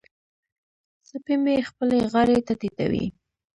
سپی مې خپلې غاړې ته ټيټوي.